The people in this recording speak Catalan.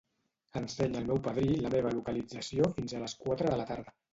Ensenya al meu padrí la meva localització fins a les quatre de la tarda.